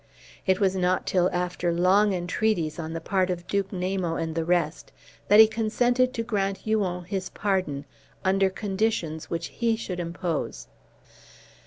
It was not till after long entreaties on the part of Duke Namo and the rest that he consented to grant Huon his pardon, under conditions which he should impose.